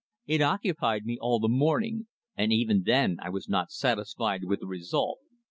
It occupied me all the morning, and even then I was not satisfied with the result.